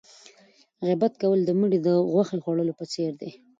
غیبت کول د مړي د غوښې خوړلو په څېر دی.